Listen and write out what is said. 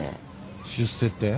出世って？